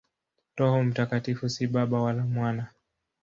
Roho Mtakatifu si Baba wala Mwana.